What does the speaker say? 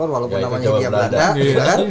walaupun namanya dia belanda